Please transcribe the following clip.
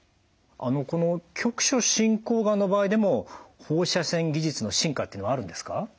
この局所進行がんの場合でも放射線技術の進化っていうのはあるんですか？